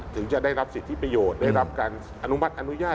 ถึงจะได้รับสิทธิประโยชน์ได้รับการอนุมัติอนุญาต